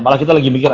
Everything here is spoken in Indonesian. malah kita lagi mikir